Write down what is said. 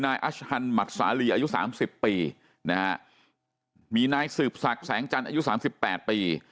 นายอัชฮันด์หมัดสาลีอายุ๓๐ปีนะฮะมีนายสืบศักดิ์แสงจันทร์อายุ๓๘ปี